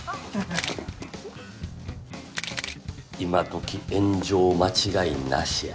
今どき炎上間違いなしや。